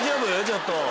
ちょっと。